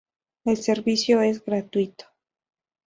El servicio es gratuito.